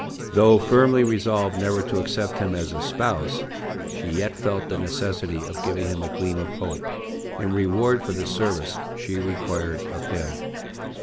Though firmly resolved never to accept him as a spouse, she yet felt the necessity of giving him a gleam of hope in reward for the service she required of him.